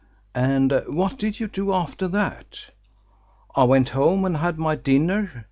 "And what did you do after that?" "I went home and had my dinner.